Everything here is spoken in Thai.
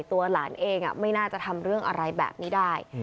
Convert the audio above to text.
ตัวหลานเองไม่น่าจะทำเรื่องอะไรแบบนี้ได้